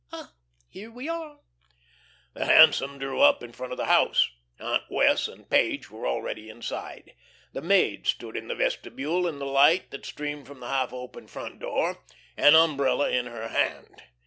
Ah, here we are." The hansom drew up in front of the house. Aunt Wess' and Page were already inside. The maid stood in the vestibule in the light that streamed from the half open front door, an umbrella in her hand.